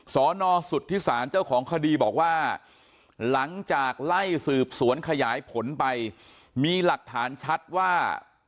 สอนอสุทธิศาลเจ้าของคดีบอกว่าหลังจากไล่สืบสวนขยายผลไปมีหลักฐานชัดว่า